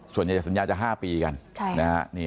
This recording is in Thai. ส่วนใหญ่สัญญาจะ๕ปีก่อน